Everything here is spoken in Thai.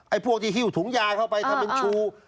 พวกที่หิ้วถุงยาเข้าไปทำเป็นชู